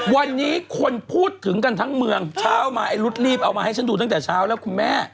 วันนี้คนพูดถึงกันทั้งเมืองเช้ามาไอ้รุดรีบเอามาให้ฉันดูตั้งแต่เช้าแล้วคุณแม่